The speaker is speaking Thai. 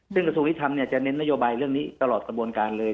ซึ่งกระทรวงยุทธรรมจะเน้นนโยบายเรื่องนี้ตลอดกระบวนการเลย